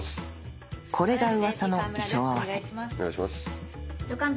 これが噂の衣装合わせ助監督